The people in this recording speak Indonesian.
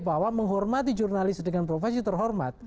bahwa menghormati jurnalis dengan profesi terhormat